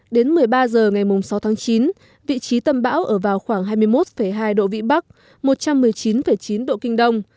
đến một mươi ba h ngày sáu tháng chín vị trí tâm bão ở vào khoảng hai mươi một hai độ vĩ bắc một trăm một mươi chín chín độ kinh đông